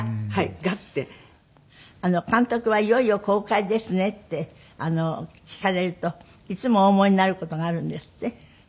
監督は「いよいよ公開ですね」って聞かれるといつもお思いになる事があるんですって？